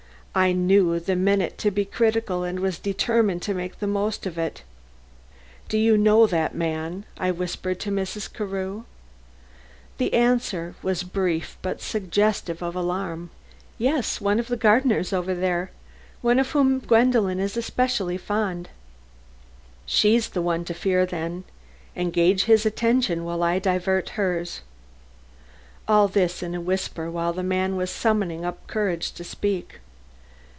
I knew the minute to be critical and was determined to make the most of it. "Do you know that man?" I whispered to Mrs. Carew. The answer was brief but suggestive of alarm. "Yes, one of the gardeners over there one of whom Gwendolen is especially fond." "She's the one to fear, then. Engage his attention while I divert hers." All this in a whisper while the man was summoning up courage to speak.